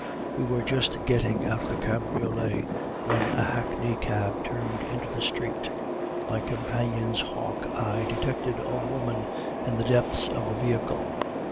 We were just getting out of the cabriolet, when a hackney cab turned into the street. My companion's hawk eye detected a woman in the depths of the vehicle.